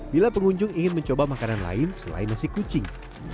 bila pengunjung ingin mencoba makanan lain selain nasi kucing